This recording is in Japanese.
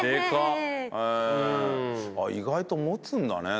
意外と持つんだね。